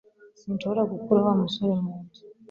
Sinshobora gukura Wa musore mu nzu